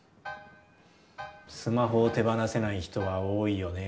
スマホを手放せない人は多いよね。